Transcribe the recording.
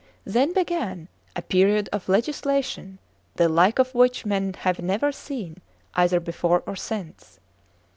Then began a period of legislation, the like of which men have never seen, either before or since.